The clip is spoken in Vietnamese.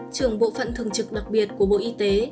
trưởng bộ phận thường trực đặc biệt của bộ y tế